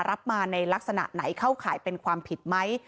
รับมาในลักษณะไหนเข้าข่ายเป็นความผิดไหม